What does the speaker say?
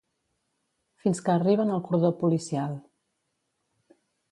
Fins que arriben al cordó policial.